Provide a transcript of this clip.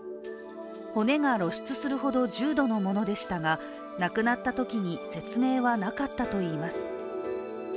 骨が露出するほど重度のものでしたが、亡くなったときに説明はなかったといいます。